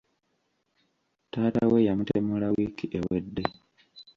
Taata we yatemulwa wiiki ewedde.